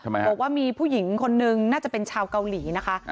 บอกว่ามีผู้หญิงคนนึงน่าจะเป็นชาวเกาหลีนะคะ